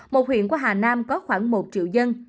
một huyện qua hà nam có khoảng một triệu dân